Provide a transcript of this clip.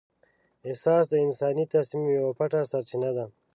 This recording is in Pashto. احساس د انساني تصمیم یوه پټه سرچینه ده.